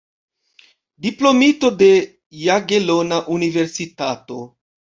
Diplomito de Jagelona Universitato.